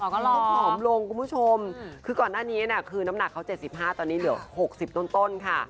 เขาผอมลงคุณผู้ชมคือก่อนหน้านี้คือน้ำหนักเขา๗๕ตอนนี้เหลือ๖๐ต้นค่ะ